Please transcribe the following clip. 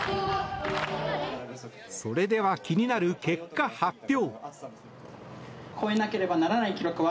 それでは気になる結果発表。